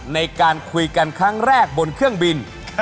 ในการคุยกันครั้งแรกบนเครื่องบิน